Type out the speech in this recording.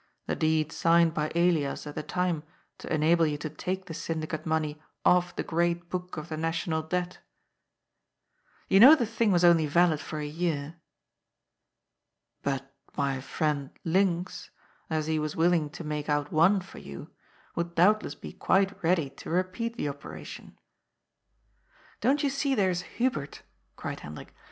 ^^ The deed signed by Elias at the time to enable you to take the syndicate money off the Great Book of the National Debt." " You know the thing was only valid for a year." ^^ But my friend Linx, as he was willing to make out one for you, would doubtless be quite ready to repeat the oper ation." " Don't you see there is Hubert ?" cried Hendrik.